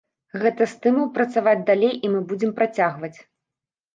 Гэта стымул працаваць далей, і мы будзем працягваць.